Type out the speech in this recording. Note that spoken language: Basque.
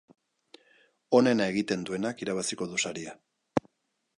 Onena egiten duenak irabaziko du saria.